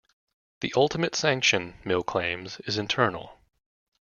The ultimate sanction, Mill claims, is internal.